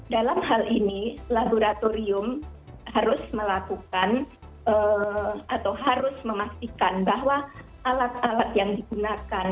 dalam hal ini laboratorium harus melakukan atau harus memastikan bahwa alat alat yang digunakan